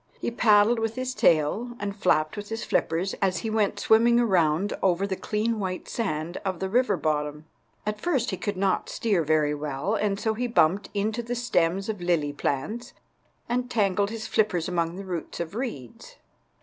He paddled with his tail and flapped with his flippers as he went swimming around over the clean white sand of the river bottom. At first he could not steer very well, and so he bumped into the stems of the lily plants and tangled his flippers among the roots of the reeds.